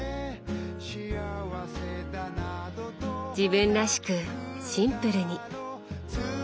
自分らしくシンプルに。